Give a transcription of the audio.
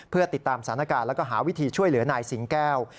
เพื่อติดตามสถานการณ์แล้วก็หาวิธีช่วยเหลือนายสิงแก้ว